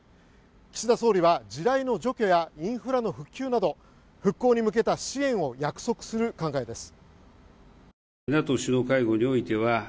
岸田総理は地雷の除去やインフラの復旧など復興に向けた支援を約束する考えです。